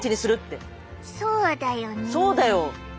そうだよ。